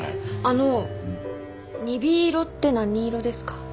あの鈍色って何色ですか？